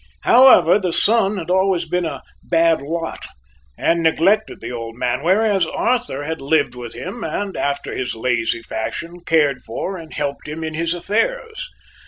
However, the son had always been a "bad lot" and neglected the old man, whereas Arthur had lived with him, and, after his lazy fashion, cared for and helped him in his affairs.